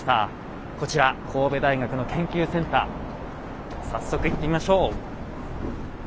こちら神戸大学の研究センター早速行ってみましょう。